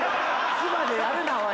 唾でやるなおい。